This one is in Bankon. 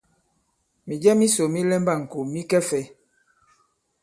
Mìjɛ misò mi lɛmba ì-ŋkò mi kɛ fɛ̄?